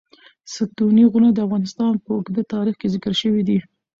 ستوني غرونه د افغانستان په اوږده تاریخ کې ذکر شوی دی.